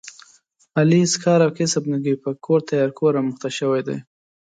علي هېڅ کار او کسب نه کوي، په کور تیار خور مخته شوی دی.